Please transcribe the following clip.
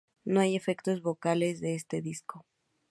No hay efectos vocales de este disco.